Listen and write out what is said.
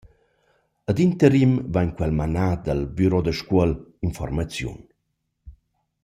Ad interim vain quel manà dal büro da Scuol infuormaziun.